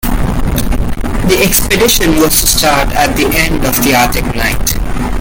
The expedition was to start at the end of the Arctic Night.